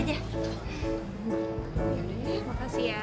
ya udah ya makasih ya